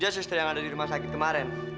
dia suster yang ada di rumah sakit kemarin